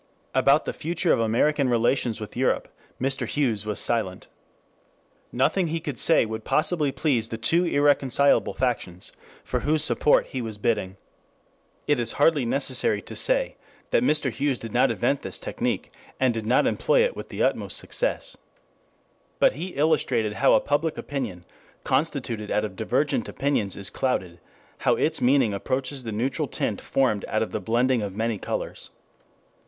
About the future of American relations with Europe Mr. Hughes was silent. Nothing he could say would possibly please the two irreconcilable factions for whose support he was bidding. It is hardly necessary to say that Mr. Hughes did not invent this technic and did not employ it with the utmost success. But he illustrated how a public opinion constituted out of divergent opinions is clouded; how its meaning approaches the neutral tint formed out of the blending of many colors.